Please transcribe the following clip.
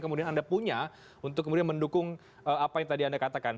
kemudian anda punya untuk kemudian mendukung apa yang tadi anda katakan